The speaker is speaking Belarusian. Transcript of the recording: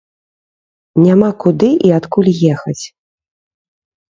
Няма куды і адкуль ехаць.